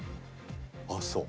あっそう。